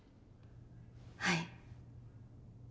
はい。